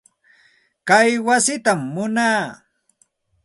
Kay wasitam munaa.